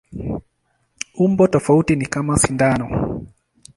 Umbo tofauti ni kama sindano.